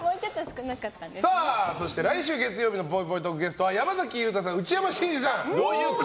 そして来週月曜日のぽいぽいトークゲストは山崎裕太さん、内山信二さん。